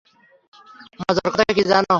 মজার কথা কী জানো?